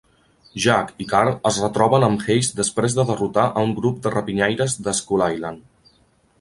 Jack i Carl es retroben amb Hayes després de derrotar a un grup de rapinyaires de Skull Island.